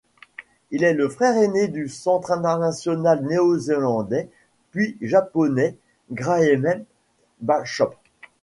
Il est le frère aîné du centre international néo-zélandais puis japonais Graeme Bachop.